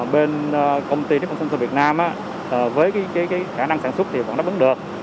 bên công ty tphcm việt nam á với cái khả năng sản xuất thì vẫn đáp ứng được